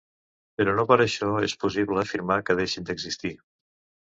Però no per això és possible afirmar que deixin d'existir.